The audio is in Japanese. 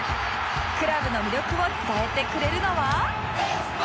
クラブの魅力を伝えてくれるのは